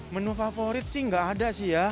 menurutmu favorit sih enggak ada sih ya